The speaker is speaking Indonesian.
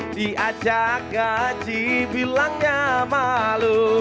diajak gaji bilangnya malu